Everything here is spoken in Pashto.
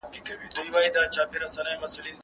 خلګو څنګه خپل خوراکي شيان په ميلمستيا کي سره ګډ کړل؟